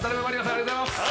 ありがとうございます。